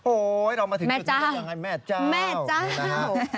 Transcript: โอ้โฮเรามาถึงจุดนี้อย่างไรแม่เจ้า